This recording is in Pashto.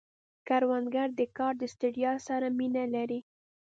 کروندګر د کار د ستړیا سره مینه لري